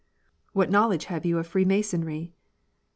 " What knowledge have you of Freemasonry